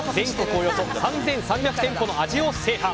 およそ３３００店舗の味を制覇。